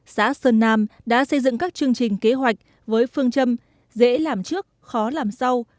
xã sơn nam đã xây dựng các chương trình kế hoạch với phương châm dễ làm trước khó làm sau